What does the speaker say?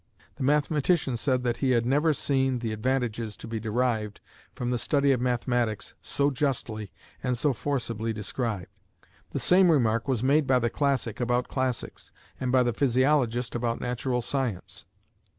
The mathematician said, that he had never seen the advantages to be derived from the study of mathematics so justly and so forcibly described; the same remark was made by the classic about classics, and by the physiologist about natural science.